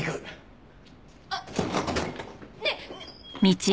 あっねえ！